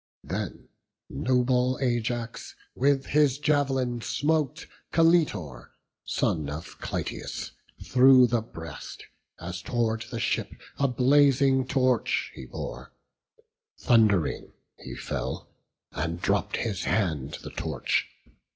Then noble Ajax with his jav'lin smote Caletor, son of Clytius, through the breast, As tow'rd the ship a blazing torch he bore; Thund'ring he fell, and dropp'd his hand the torch.